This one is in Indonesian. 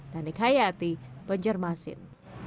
danik hayati banjarmasin